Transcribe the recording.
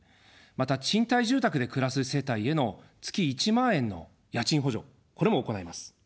また、賃貸住宅で暮らす世帯への月１万円の家賃補助、これも行います。